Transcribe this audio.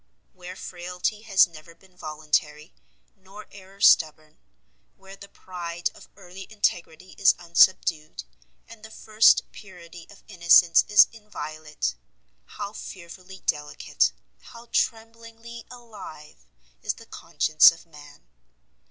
Where frailty has never been voluntary, nor error stubborn, where the pride of early integrity is unsubdued, and the first purity of innocence is inviolate, how fearfully delicate, how "tremblingly alive," is the conscience of man!